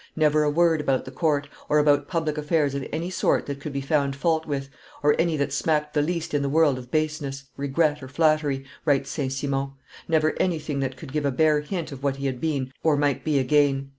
"Never a word about the court, or about public affairs of any sort that could be found fault with, or any that smacked the least in the world of baseness, regret, or flattery," writes St. Simon; "never anything that could give a bare hint of what he had been or might be again.